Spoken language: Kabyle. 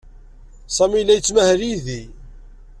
Sami yella yettmahal yid-i.